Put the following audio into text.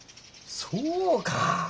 そうか。